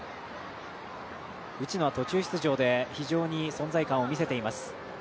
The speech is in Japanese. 内野は途中出場で非常に存在感を出しています。